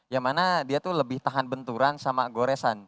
yang mana dia tuh lebih tahan benturan sama goresan